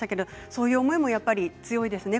そういう思いも強いですね